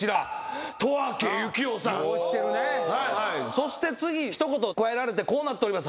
そして次一言加えられてこうなっております。